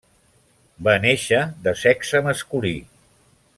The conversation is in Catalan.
Va néixer de sexe masculí.